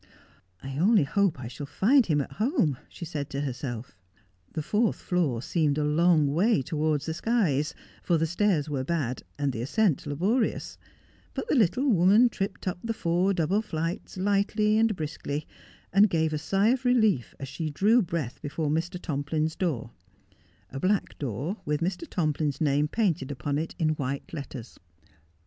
' I only hope I shall find him at home,' she said to herself. The fourth floor seemed a long way towards the skies ; for the stairs were bad, and the ascent laborious ; but the little woman tripped up the four double flights lightly and briskly, and gave a sigh of relief as she drew breath before Mr. Tomp Hn's door — a black door, with Mr. Tomplin's name painted upon it in white letters.